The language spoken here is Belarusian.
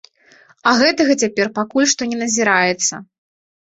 А гэтага цяпер пакуль што не назіраецца.